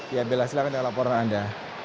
ya bella silahkan dengan laporan anda